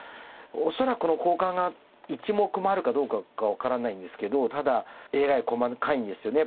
恐らくこの交換が１目もあるかどうかが分からないんですけどただＡＩ細かいんですよね。